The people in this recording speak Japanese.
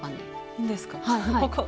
いいんですか？